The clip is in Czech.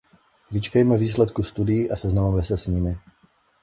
Vyčkejme výsledků studií a seznamme se s nimi.